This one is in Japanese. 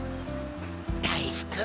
大福。